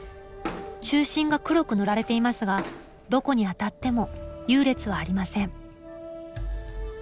中心が黒く塗られていますがどこに当たっても優劣はありません。